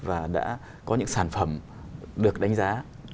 và đã có những sản phẩm được đánh giá